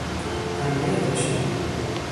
حملهی دشمن